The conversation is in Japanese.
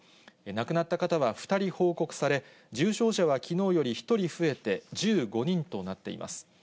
亡くなった方は２人報告され、重症者はきのうより１人増えて１５人となっています。